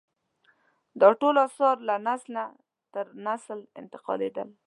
دا ټول اثار له نسله تر نسل ته انتقالېدل.